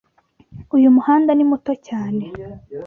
Uyu muhanda ni muto cyane.